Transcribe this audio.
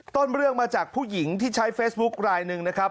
ต้นเรื่องมาจากผู้หญิงที่ใช้เฟซบุ๊คลายหนึ่งนะครับ